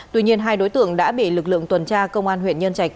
tuy nhiên hai đối tượng đã bị lực lượng tuần tra công an huyện nhân trạch